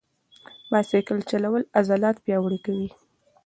بایسکل چلول عضلات پیاوړي کوي.